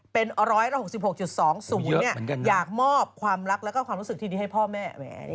เป็น๑๖๖๒๐อยากมอบความรักแล้วก็ความรู้สึกที่ดีให้พ่อแม่แหม